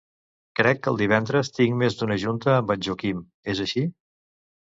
Crec que el divendres tinc més d'una junta amb en Joaquim; és així?